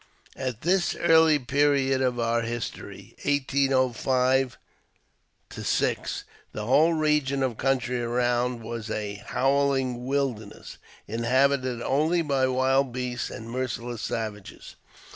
At this early period of our history (1805 6) the whole region of country around was a " howHng wilderness," inhabited only by wild beasts and merciless savages.